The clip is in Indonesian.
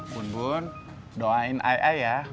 bun bun doain ae ae ya